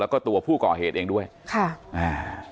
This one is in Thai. แล้วก็ตัวผู้ก่อเหตุเองด้วยค่ะอ่า